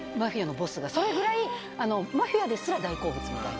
それぐらいマフィアですら大好物みたいな。